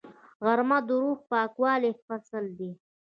غرمه د روحي پاکوالي فصل دی